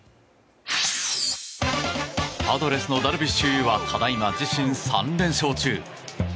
パドレスのダルビッシュ有はただいま自身３連勝中。